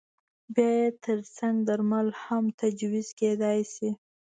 بیا یې ترڅنګ درمل هم تجویز کېدای شي.